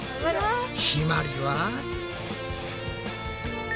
ひまりは。